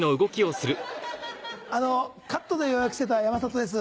あのカットで予約してた山里です。